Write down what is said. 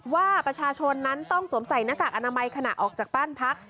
ว่าประชาชนนั้นต้องสวมใส่หน้ากากอนามัยขณะออกจากบ้านพัก